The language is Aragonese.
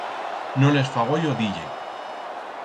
No les fa goyo d'ir-ie.